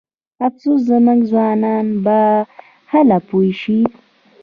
افسوس زموږ ځوانان به هله پوه شي.